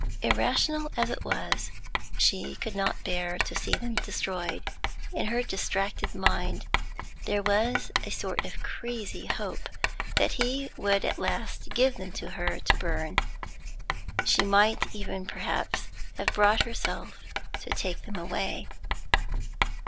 Irrational as it was, she could not bear to see them destroyed. In her distracted mind there was a sort of crazy hope that he would at last give them to her to burn; she might even perhaps have brought herself to take them away.